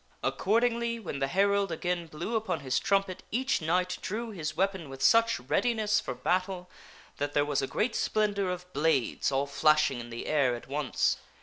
Accordingly, when the herald again blew upon his trumpet, each knight drew his weapon with such readiness for battle that there was a great Gf the contest splendor of blades all flashing in the air at once.